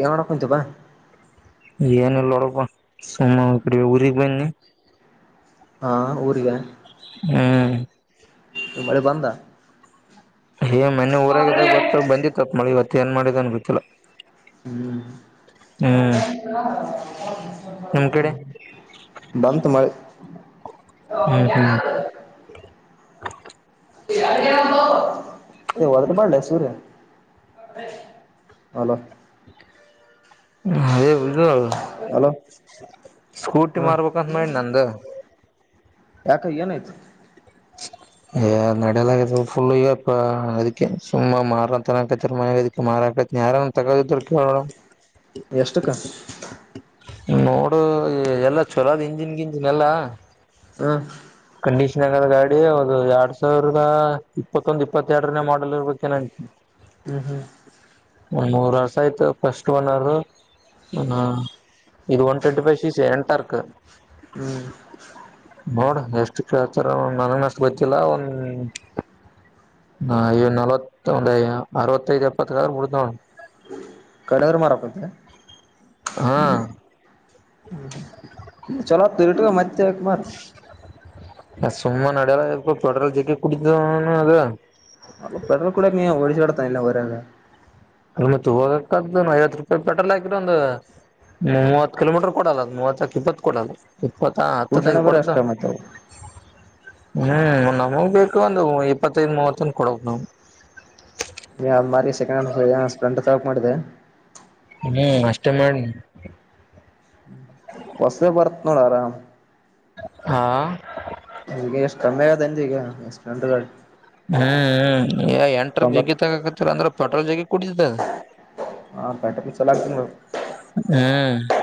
ಯಾವಣ ಕುಂತು ಬಾ [unintelligible] ಏನಲ್ಲ ನೋಡಬ ಸುಮ್ಮ್ ಕ ಊರಿಗ್ ಬನ್ನಿ [unintelligible] ಹಾ ಊರಿಗ [unintelligible] ಹ್ಮ್ [unintelligible] ಬಳೆ ಬಧ ಆ - [unintelligible] ಹೇ ಮೊನೆ ಊರಾಗದಾಗ ಬತ್ತ ಬಂದಿತ್ ಮಳಿ ಇ [unintelligible] ಮತ್ತೇಏನು ಮಾಡಿದೆ ಅನ್ ಗೊತ್ತಿಲ್ಲ [unintelligible] ಹ್ಮ್ [unintelligible] ಹ್ಮ್ ಹೌ ನಿಮ್ ಕಡೆ [unintelligible] ಬಂತ ಮ [unintelligible] ಹ್ಮ್ ಹ್ಮ್ ಹದ್ರ ಮಾಡಲ ಸೂರ ಅಲೋ [unintelligible] ಹದ ಬ [unintelligible] ಹಲೋ ಸ್ಕೂಟಿ ಹಾ ಮಾರ್ಬೇಕಂತ ಮಾಡಿ ನಂದು [unintelligible] ಯಾಕ ಏನಾಯ್ತು [unintelligible] ನಡಲಾಗ ಫುಲ್ ಈ ಅದಕ್ಕೆ ಸುಮ್ಮ ಮಾರ ತಕ ಮನ್ ಅದಕ್ಕೆ ಮಾರಾಕ ಯಾರನ್ನ ತಗಳರಿಧ್ರ ಕೇಳೂ [unintelligible] ಎಷ್ಟುಕ್ಕ [unintelligible] ನೋಡು ಎಲ್ಲಾ ಚಲೋದ್ ಇಂಜಿನ್ ಗಿಂಜಿನ್ ಎಲ್ಲಾ [unintelligible] ಹ [unintelligible] ಕಂಡೀಷನ್ ಗಾಡಿ ಹೌದು ಎರಡ್ ಸಾವಿರದ ಇಪ್ಪತ್ತೊಂದು ಇಪ್ಪತ್ತೆರನೇ ಮಾಡಲ್ ಇರ್ಬೇಕೆ ನ [unintelligible] ಹ್ಮ್ ಹ್ಮ್ ಒ ಮೂರ್ ವರ್ಷ ಆಯ್ತು ಫಸ್ಟ್ ಒನ್ ಅವರ್ ಹ ಇದು ಒನ್ ಟ್ವೆಂಟಿ ಫೈವ ಸೀಸ್ ಎಂಟರ್ಕ್ [unintelligible] ಹ್ಮ್ [unintelligible] ನೋಡ್ ಎಷ್ಟು ಪ್ರ [unintelligible] ರ ನನಗ ಅಷ್ಟು ಗೊತ್ತಿಲ್ಲ ಒಂದ್ ನವತ್ತ ಒಂದು ಅರವತ್ತೈದುಎಪ್ಪತ್ತ ಬಿಡತ ನೋ [unintelligible] ಕರರ್ ಮರಕ್ಕತ್ತ [unintelligible] ಹಾ ಹ ಚಲೋತ್ತುರಿಟ ಮತ್ತ ಯಾಕ ಮಾರ್ಥಿ [unintelligible] ಸುಮ್ಮನೆ ನಡಲ್ಲ ಇ ಚೋಟ್ರ ಜಕ್ಕೆ ಕುಡಿದಅವನೌನ ಅದ [unintelligible] ಅ ಪೆಡಲ್ ಕೂಡ ಓಳ ಕಡತಾನಲ್ಲ ರಂಗ [unintelligible] ಅ ಮತ್ ಹೋಗಕ್ಕದ ಐವತ್ತು ರೂಪಾಯಿ [unintelligible] ಪೆಟ್ರೋಲ್ ಹಾಕಿದ್ರೆ ಒಂದು ಮೂವತ್ತು ಕಿಲೋಮೀಟರ್ ಕೊಡಲ್ಲ ಅ ಮೂವತ್ತಕ ಇಪ್ಪತ್ತು ಕೊಡಲ್ಲ [unintelligible] ಇಪ್ಪತ್ತಾ ಸ್ಕೂಟಿ ಅಣ್ಣ ಹತ್ತುದನೈದು ಬರ ಕೊಡ್ದ ಅಷ್ಟ ಮತ್ತವು [unintelligible] ಹ್ಮ್ ನಮಗ್ ಬೇಕು ಒಂದು ಇಪ್ಪತ್ತೈದ ಮೂವತ್ತಂದ ಕೊಡಕ್ ನಾವ್ [unintelligible] ನೀ ಅ ಮಾರಿ ಸೆಕೆಂಡ್ ಸ್ಪಂಟ್ ತಗಕ್ಬೇಕಂತ ಮಾಡಿದೆ [unintelligible] ಹ್ಮ್ ಅಷ್ಟೇ ಮಾಡಿನಿ ಹೊಸದೆ ಬರತ್ ನೋಡ ಆರಾ ಹಾ ಈಗ ಎಷ್ಟು ಕಮ್ಮಿ ಆಗದನ್ ಈಗ ಎಷ್ಟು ಗಂ ಹ್ಮ್್ಮ್ ಎಂಟ ಜಿಗ್ಗಿ ತಗಕತಿ ಅಂದ್ರ ಹಟಲ್ಗೆ ಕುಡತ ಹ ಪೆಟ್ರೋಲ್ ಚಲ ಆಗ್ತ ನೋಡ ಹ್ಮ್ ಹ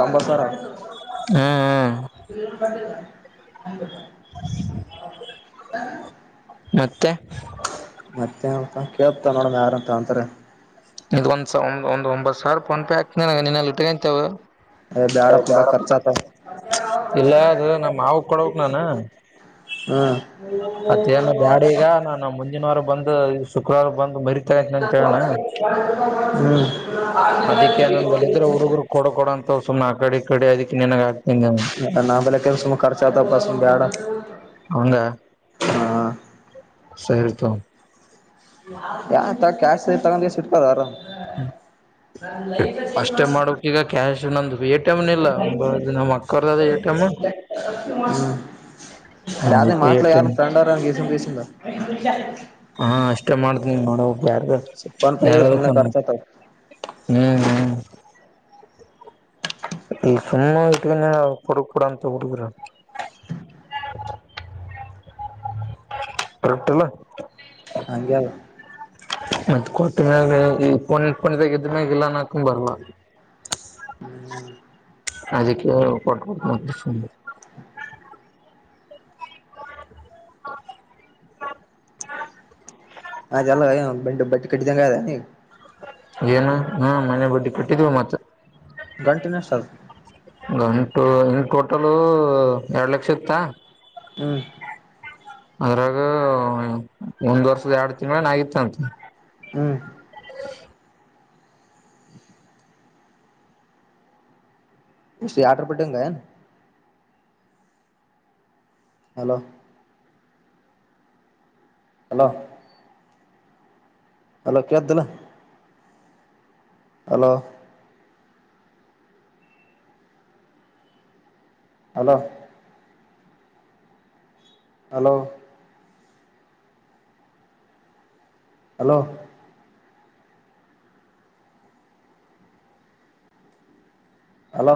ಕಂಬಸರ ಹ್ಮ್ ಇ ಬಟ್ಟ ಹ ಹ ಮತ್ತೆ ಹಾಂ ಕೇಳ್ತಾ ನೋಡಣ ಯಾರ ಅಂತ ಅಂತಾರೆ ಇ ಒಂದ ಒ ಒಂದ ಒಂಬತ್ ಸಾವಿ ಪೂನ ಪೇ ಹಾಕ್ನ ನಿನ್ನ ಇಟ್ಕಂತೇವೆ ಏ ಬ್ಯಾಡಪ್ಪ ಬ ಖರ್ಚಾತವ ಇಲ್ಲ ಅದು ನ ಮಾವಗ ಕೊಡಕ್ ನಾನು ಹ್ಮ್ ಮತ್ತೇನ ಬ್ಯಾಡ ಈಗ ನಾನು ಮುಂದಿನವಾರ ಬಂದು ಶುಕ್ರಾರ ಬಂದು ಮರಿ ಂತವನಾ ಹ್ಮ್ ನನ್ ಬಲ್ಲಿ ಇದ್ರ ಹುಡುಗರು ಕೊಡ ಕೊಡ ಅಂತ ಸುಮ್ನೆ ಆ ಕಡೆ ಈ ಕಡೆ ಅದಕ್ಕೆ ನಿನಗ ಹಾಕ್ತೀನಿ ನ ನಾ ಬೆಲೆ ಕೆಸಖರ್ಚ ಆತ ಬಾಸ ಬ್ಯಾಡ ಹೌಂದ ಹಾ ಸರಿತೂ ಯಾ ತ ಕ್ಯಾಶ ತಗೊಂಡ ಸಿಟ್ಕದಾರ ಅಷ್ಟೇ ಮಾಡೋಕ್ ಈಗ ಕ್ಯಾಶ್ ನಂದು ಎಟಿ ಎಮ್ ಇಲ್ಲ ನಮ್ಮ್ ಅಕ್ಕರ್ದ ಎಟಿಎಮ ಯಾರು ಮಾಟ್ಲ ಯಾರು ಫ್ರೆಂಡಾರಸ ಬಸಿಲ್ಲ ನೋಡ ಯಾರ್ದ ಯಾರಾಗತ್ತಾ ಹ್ಮ್ ಖರ್ಚತಾವ ಹ್ಮ್ ಈ ಸುಮ್ಮ ವಟ್ಟ ನಾ ಕೊಡಕೂಡಂತ ಕುಡುರ ಟ್ರಿಫ್ಟಲ್ಲ ಹಾಗಗೆ ಮತ್ತತ್ ಕೊಟ್ಟ ಮ್ಯಾಗ ಪ ಪದಾಗ ಇದದ್ಮ್ಯಾಗ ಇಲ್ಲಾನ ಅಕೊಂಡ್ ಬರ್ವ ಹ್ಮ್ ಅದಕ್ಕೆ ಕೊಟ್ಟ ಕೊಡ್ ಹ ಚಲ್ಲ ಬ ಬಟ್ಟ ಕಟ್ಟಿದಂಗ ಅದ ನೀ ಏನು ಹಾ ಮನೆ ಬಡ್ಡಿ ಕಟ್ಟಿದ್ವಿ ಮತ್ತ ಗಂಟಿನ ಸರ್ ಗಂಟು ಇನ್ ಟೋಟಲ್ ಎರಡ್ ಲಕ್ಷ ಇತ್ತಾ ಹ್ಮ್ ಅದ್ರಾಗ ಒಂದ್ ವರ್ಷದ ಎರಡ್ ತಿಂಗಳನ ಆಗಿತ್ತು ಅಂತ ಹ್ಮ [inaudible] ಎಷ್ಟು ಎರಡರ ಬಡ್ಡಿ ಅಂಗೆನ್ ಹಲೋ ಹಲೋ ಅಲೋ ಕೇಳತಾದ ಇಲ್ಲು hello hello hello hello hello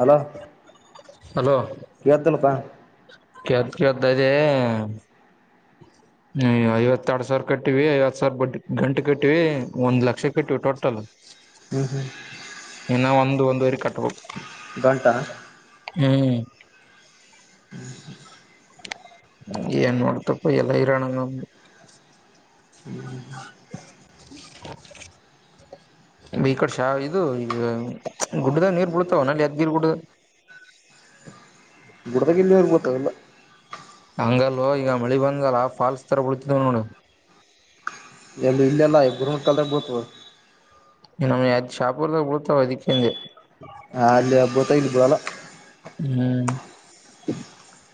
hello hello ಕೇಳತಾದ ಇಲ್ಲು ಪಾ ಕೇಳತಾದ ಕೇಳತಾದ ಅದೇ ಐವತ್ತ ಎರಡ್ ಸಾವಿರ ಕಟ್ಟಿವ ಐವತ್ ಸಾವಿರ ಬ ಗಂಟೆ ಕಟ್ಟಿವ ಒಂದ್ ಲಕ್ಷ ಕಟ್ಟಿವವಿ ಟೋಟಲ್ ಹ್ಮ ಹಾ ಇನ ಒಂದು ಒಂದು ಕಟ್ಟ ಘಂಟಾ ಹ್ಮ್ ಹ್ಮ ನೋಡತೆಪಿ ಎಲ್ಲ ಹೈರಾಣ ಹ್ಮ ಮ ಈ ಕಡೆ ಶಾ ಇದು ಈ ಗುಡ್ಡದಾಗ ನೀರ್ ಬಿಡತಾವ ನಲ್ಲಿ ಯಾದಗಿರಿ ಗುಡ್ಡದ ಗುಡ್ಡದಾಗ ಯಲ್ಲಿ ನೀರು ಬಿಳತವ ಗೊತ್ತಿಲ್ಲ ಹಂಗಲ್ಲ ಈಗ ಮಳಿ ಬಂದಲ್ಲ ಫಾಲ್ಸ್ ಥರ ಬೀಳತಿದ್ದವು ನೋಡು ಎಲ್ಲಿ ಇಲ್ಲೆಲ್ಲ ಗುರುಮಠಕಲ್ ದಾಗ ಬಿಳತವ್ ನಮ್ ಯದ್ ಶಾಪುರ್ದಾಗ ಬಿಳತವ ಅದ್ಕೆ ಅಂದೆ ಹಾ ಅಲ್ಲಿ ಹಬ್ಬ ಇಲ್ಲಿ ಬಿಳಲ್ ಹ್ಮ್ [inaudible]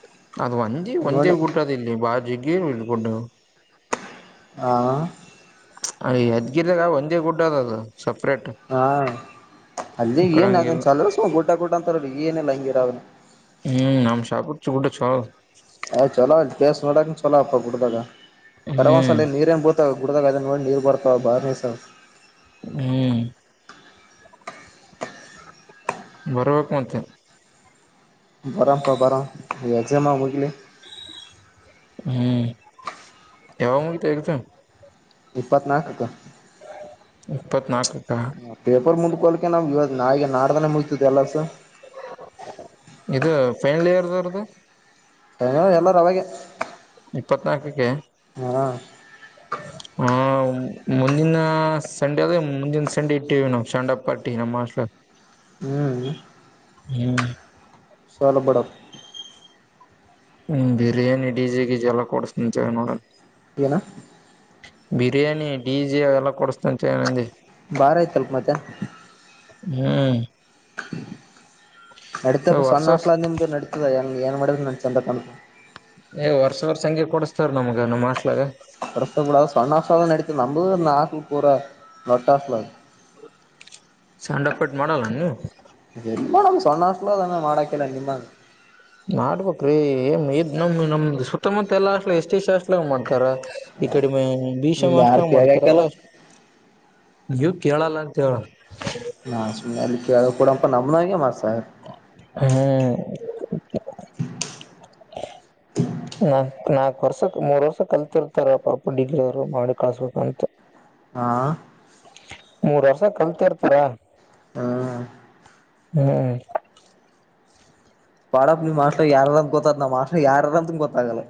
ಅದು ಒಂದೇ ನೋಡ ಒಂದೇ ಗುಡ್ಡ ಆದ ಇಲ್ಲಿ ಬಾರಿ ಜಗ್ಗಿ ಅದಾವ ಗುಡ್ಡಗಳು ಹ ಆ ಯಾದಗಿರಿಯಾಗ ಒಂದೇ ಗುಡ್ಡ ಅದದು ಹಾ ಅಲ್ಲಿ ಈ ಕಡೆ ಏನ್ ಅನ್ ಹಂಗಿಲ್ಲ ಚಲ ಸ ಊಟ ಗೂಟ ಅಂತೀ ಏನ ಲ ಹಂಗರ ಅವನು ಹ್ಮ್ ನಮ್ಮ ಶಹಾಪುರ ಗುಡ್ಡ ಚೊಲೋ ಆದ ಆ ಚಲೋ ಕೇಸ್ ಮಾಡೋಕ ಚಲೋ ಅಪ್ಪ ಕೊಡದಾಗ ಹ್ಮ್ ಕರವಸಾಲೆ ನೀರ ಎಂಬತ್ತು ಗುಡ್ಡದಾಗ ಅದ ನೋಡಿ ನೀರ್ ಬರ್ತಾವ ಬಾರ್ಸ ಹ್ಮ್ ಬರ್ಬೇಕ ಮತ್ತೆ ಬಾರಾಪ್ಪ ಬಾರೋ ಈ ಎಕ್ಜಾಮಕವು ಮುಗಿಲಿ ಹ್ಮ್ ಯಾವಾಗ ಮುಗಿತಾವ್ ಎಕ್ಸಾಮ್ ಇಪ್ಪತ್ನಾಲ್ಕಕ ಇಪ್ಪತ್ತ್ನಾಲ್ಕು. ಪೇಪರ್ ಮುಂದು ಹಗೋಲಿಕೆ ನಾವು ಇವಾಗ ನಾಲಿಗೆ ನಾಡ್ದಾನೆ ಮುಗ್ತದೆ ಎಲ್ಲ ಸ ಇದು [unintelligible] ಎಲ್ಲರ ಅವಾಗೆ, ಇಪ್ಪತ್ನಾಲ್ಕಕ್ಕೆ? ಹಾ ಹ ಮುಂದಿನ ಸಂಡೆ ಅದ್ ಮುಂದಿನ ಸಂಡೆ ಇಟ್ಟೀವಿ ನಾವು ಸ್ಯಾಂಡಪ್ಪ ಪಾರ್ಟಿ ನಮ್ಮ ಹಾಸ್ಟೆಲ್ ಗ. ಹ್ಮ್ ಹ್ಮ್ ಸಲ್ ಬಡಪಾ ಹ್ಮ್ ಬಿರಿಯಾನಿ ಡಿಜೆ ಗೀಜೆ ಎಲ್ಲಾ ಕೊಡ್ಸ್ತಂತ್ ಹೇಳ್ಯನ್ ವಾರ್ಡನ್. ಏನಾ ಬಿರಿಯಾನಿ ಡಿಜೆ ಅವೆಲ್ಲಾ ಕೊಡಸ್ತಾನ್ನಂದೇ ಬಾರ ಆಯ್ತುತಲ್ಪ ಮತ್ತೆ. ಹ್ಮ್ [unintelligible] ನಡಿತಪ್ಪ ವರ್ಷ ಸಣ್ಣ ವರ್ಷ ಹಾಸ್ಟಲ್ ಆದ ನಿಮ್ದು ನಡಿತದ ಏನ್ ಮಾಡಿದ ನನ್ ಚಂದ ಕಾಣುತ್ತದೆ. ಏ ವರ್ಷ ವರ್ಷ ಹಂಗೆ ಕೊಡ್ಸ್ತಾರ್ ನಮಗ ನಮ್ಮ ಹಾಸ್ಟಲ್ [unintelligible] ನಾಡಿತಾದ ನಂಬುದು ನ ಹಾಸ್ಟಲ್ ಪೂರ ದೊಡ್ಡ ಹಾಸ್ಟೆಲ್ ಸೆಂಡಪ್ ಪಾರ್ಟಿ ಮಾಡಲ್ಲ ಏನ್ ನೀವು? ಎಲ್ ಸಣ್ಣ ಹಾಸ್ಟಲ್ ಆದ ಏನ್ ಮಾಡಾಕ್ಕೆಲ್ಲ ನಿಮ್ಮಂಗ್. ಮಾಡಬೇಕ್ರಿ, ಏನು ಇದ ನಮ್ ನಮ್ದ್ ಸುತ್ತಮುತ್ತ ಎಲ್ಲಾ ಹಾಸ್ಟೆಲ್ ಎಲ್ಲ ಎಸ್ಸಿ ಎಸ್ಟಿ ಹಾಸ್ಟಲ್ ಅಲಾಗ ಮಾಡ್ತಾರ ಈ ಕಡೆ ಬಿಶಾಮ್ ಇಲ್ಲಿ ಯಾರು ಹಾಸ್ಟಲ್ ಮಾಡ್ತಾರ ಕೇಳ್ಯಾಕಿಲ್ಲ ಎಲ್ಲ ನೀವು ಕೇಳಲ್ಲ ಅಂತ ಹೇಳ, ನಾ ಸುಮ್ನೆ ಎಲ್ಲಿ ಕೇಳ್ಕೊಡಂ ನಮ್ಮನಗೆ ಮಾ ಸ ಓಕೆ ನಾ ನಾಕ್ ವರ್ಷ ಮೂರ್ ವರ್ಷ ಕಲ್ತಿರ್ತಾರ ಪಾಪ ಡಿಗ್ರಿ ಅವ್ರು ಮಾಡಿ ಕಳ್ಸ್ಬೇಕಂತ. ಹಾ ಮೂರ್ ವರ್ಷ ಕಲ್ತಿರ್ತಾರ. ಹಾ ಹ್ಮ್ ಪಾಡಪ್ಪಾ ನಿಮ್ ಹಾಸ್ಟಲ್ ಯಾರಾರಂತ ಗೊತ್ತಾತ ನಮ್ಮ ಹಾಸ್ಟೆಲ್ ಯಾರಾರ ಅಂತ ಗೊತ್ತಾಗಲ್ಲಾ.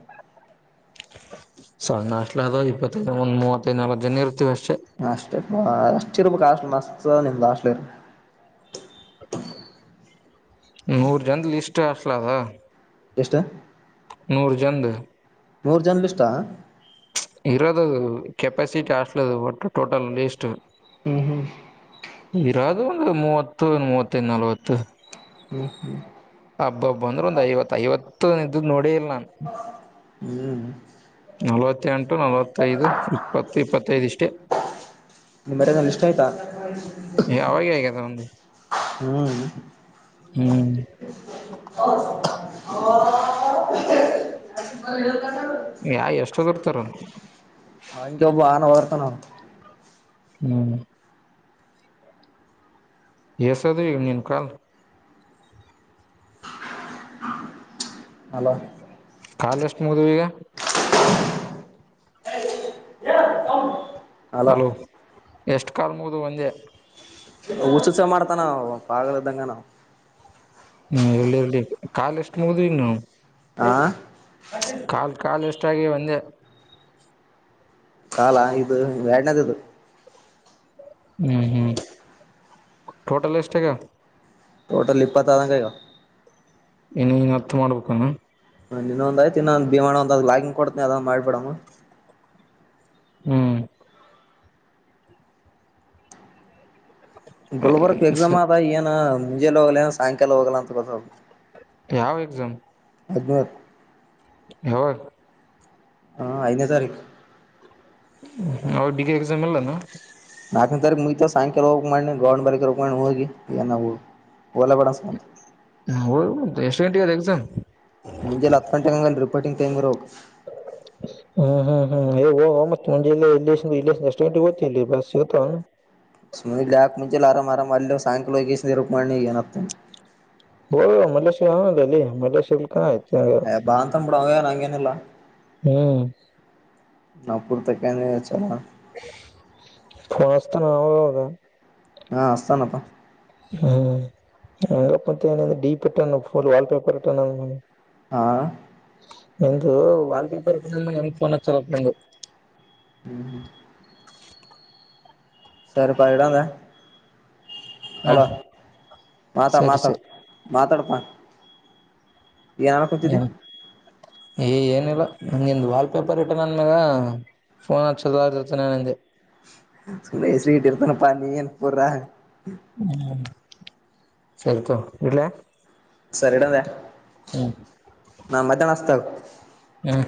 ಸಣ್ಣ ಹಾಸ್ಟಲ್ ಅದ ಇಪ್ಪತ್ತೈ ಒಂದ ಮೂವತ್ತೈ ನಾಲ್ಕು ಜನ ಇರ್ತೀವಿ ಅಷ್ಟ ಹಾಸ್ಟೆಲ್ ಹ ಅಷ್ಟ ಇರ್ಬೇಕಕ್ ಆಾಸ್ಟ್ಲ್ ಮಸ್ತ್ ನಿಮ ಹಾಸ್ಲಿ ಇರ್ [unintelligible] ನೂರು ಜನದ ಲಿಸ್ಟ್ ಅಲ ಅದ ಎಷ್ಟ? ನೂರಜಂದ್ ನೋರ್ ಜನ್ಲಿ ಲಿಸ್ಟ್? ಇರೋದದು ಕೆಪಾಸಿಟಿ ಅಷ್ಟಲದು ಒಟ್ಟು ಟೋಟಲ್ ಲೀಸ್ಟ್ ಹ್ಮ್ ಹ್ಮ್ ಇರಾದು ಒಂದು ಮೂವತ್ತು ಮೂವತ್ತ ನಲ್ವತ್ತು ಹ್ಮ್ ಹ್ಮ್ [unintelligible] ಹಬ್ಬ ಹಬ್ಬ ಅಂದ್ರೆ ಒಂದ ಐವ ಐವತ್ತು ಇದ ನೋಡಿ ಹ್ಮ್ ನಲವತ್ತೆಂಟು ನಲವತ್ತೈದು ಇಪ್ಪತ್ತು ಇಪ್ಪತ್ತೈದುಷ್ಟೇ, ನಿಮ್ ಮರ್ಯಾಗ ಲಿಸ್ಟ್ ಆಯ್ತಾ ಯಾವಾಗ ಹೇಗದ ನಂದು ಹ್ಮ್ ಹ್ಮ್ ಹ ಅ [unintelligible] ಯಾ ಎಷ್ಟ ಓದಿರ್ತಾರ ಅವಗೆ ಒಬ ಆನೆ ವರ್ತನ ಹ್ಮ್ ಎಸದು ನೀನು ಕಾಲ್ ಹಲೋ ಕಾಲ ಎಷ್ಟು ಮುಗದು ಈಗ? ಯನ ಹೌ ಹಲೋ ಎಷ್ಟು ಕಾಲು ಮುಗದು ಅಂದೇ ಉಚುಚ್ಚು ಮಾಡ್ತಾನ ಪಾಗಲ ಇದ್ದಂಗ ಆವಾ ಹ್ಮ ಎಲ್ಲಿರ ಕಾಲ ಎಷ್ಟ ನೋದ ಇನ್ನು? ಹಾ [unintelligible] ಾಗಿೇ ವಂದೆ ಕಾಲ ಇದು ಯಾಡನದ ಇದು ಹ್ಮ್ ಹ್ಮ್ ಟೋಟಲ್ ಎಷ್ಟ ಆಗ್ತಾವ? ಟೋಟಲ್ ಇಪ್ಪತ್ತ ಆದಂಗ ಆಗ್ಯಾವ ಇನನ್ ಅತ್ತ ಮಾಡ್ಬೇಕನು? ಇಧುಒಂಧ ಅಯ್ತು ಬಿ ಬಿಮಾಣ ಒಂದ್ ಲಾಗಿಂಗ ಕೊಡ ತನಿ ಅದ್ ಮಾಡ್ಬಿಡಮ್ಮ್ ಹ್ಮ್ ಗುಲ್ಬರ್ಗ ಎಗ್ಜಾಮ ಆತ ಈಏನ ಸಂಜೆ ಹೋಗಲ್ಲೇನ? ಸಾಯಂಕಾಲ ಹೋಗಲ್ಲ ಅಂತ ಕಸದು ಯಾವ ಎಕ್ಸಾಮ? [unintelligible] ಯಾವಾಗ? ಹಾ ಐದನೇ ತಾರೀಖು. ಅವತ್ತ ಡಿಗ್ರಿ ಎಕ್ಸಾಮ ಇಲ್ಲ ನು? ನಾಕನೆ ತಾರೀಕು ಮುಗಿತ್ವ ಸಾಯಂಕಾಲ ಹೋಗಿ ಮಾಡ ಗೊಂಡ್ ಬಾರಕ ಹೋಗ ಮಾಡಿ ಹೋಗ್ಲ್ಯಾ? ಹ ಎಷ್ಟು ಗಂಟೆಗೆ ಆದ ಎಕ್ಸಾಮ್? ಮುಂಜೆನೇ ಹತ್ತು ಗಂಟೆಗೆ ಪಟಿಂಗಟಂಗ ರೋಗ [unintelligible] ಹ್ಮ್ ಹ್ಮ್ ಹ್ಮ ಇಲ್ಲಿ ಇಂದ ಎಷ್ಟು ಗಂಟೆಗೆ ಹೋಗತ್ತೆ ಸಮ ಯಾಕ್ ಮುಂೆಲ್ಲಿ ಆರಾಮ ಆರಾಮ ಅಲ್ಲಿ ಸಾಯಂಕಾಲ ವಕೇಶ ರರುಕಮಣ್ಣನ ಅತ್ತ ಹೋ ಮಲ್ಲೇಶ್ವರದ ಅಲ್ಲಿ ಮಲ್ಲೇಶ್ವರಿಲಿ ಕ ಆ್ತು [unintelligible] ಹೇ ಬಾ ಅನ್ನತಾನ ಬಿಡು ಅವಯೇನ್ ಇಲ್ಲಾ ಹ್ಮ್ ನಾಾಗ ಪುರ್ತ ಕ ನೀ ಚಲ್ಲ [unintelligible] ಫೋಸ್ತ ನಾದ [unintelligible] ಹಾ ಅಚ್ಚಾತಾನಪ್ಪ ಹ್ಮ್ ವಪೇಪರ್ಟ್ಟ [unintelligible] ಹಾ ಎಂದುಂದು ವಾಕೆ ತರ್ ೋನ ಚಲ ಕೊಡದು [unintelligible] ಹ್ಮ್ ಹ್ಮ [inaudible] ಸರಿ ಪಾ ಇಡಾದ್ಯಾ ಹಾ ಹಲೋ ಮಾತಾ ಸರಿ ಮಾತಾಡ್ ಸರಿ ಮಾತಾಡ್ಪ ಏನು ಏನಿಲ್ಲ ನಂ ನಿಂದು ವಾಲ್ಪೇಪರ್ ರಿಟರ್ನ್ ಅಂದಮ್ಯಾಗ ಫೋನ್ ಹ ಚದರ್ತನೆಗೆ [unintelligible] ಸ ಸ್ವೀಟ್ರ್ತನಪ್ಪ ನೀ ಅನ್ಬ್ರಾ [unintelligible] ಹ್ಮ್ [unintelligible] ಸರಿ ತಗೋ ಇಡಲ್ಯ ಸರಿ ಇಡಾದಿ ನಾ ಮಧ್ಯಾನ ಹಚ್ಚಾತಿನಿ ತಗೋ ಹ್ಮ್